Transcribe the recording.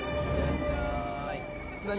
いってらっしゃい。